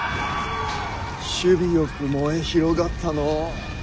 首尾よく燃え広がったのう。